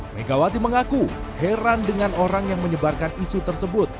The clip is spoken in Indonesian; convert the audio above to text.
megawati mengaku heran dengan orang yang menyebarkan isu tersebut